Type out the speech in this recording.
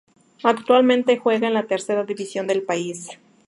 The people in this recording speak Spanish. Actualmente juega en la tercera división del país.